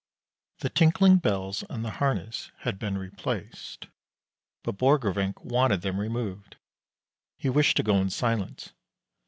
The tinkling bells on the harness had been replaced, but Borgrevinck wanted them removed. He wished to go in silence.